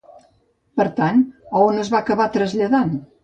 Per tant, a on es van acabar traslladant?